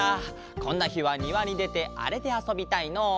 こんなひはにわにでてあれであそびたいのう。